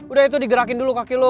udah itu digerakin dulu kaki lo